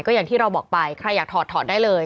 อย่างที่เราบอกไปใครอยากถอดถอดได้เลย